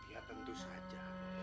ya tentu saja